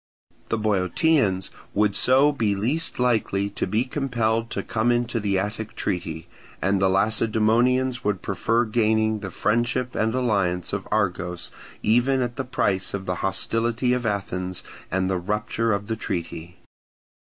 The Boeotians would so be least likely to be compelled to come into the Attic treaty; and the Lacedaemonians would prefer gaining the friendship and alliance of Argos even at the price of the hostility of Athens and the rupture of the treaty.